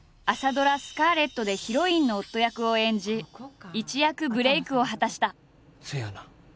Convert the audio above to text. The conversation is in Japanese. ドラ「スカーレット」でヒロインの夫役を演じ一躍ブレークを果たした。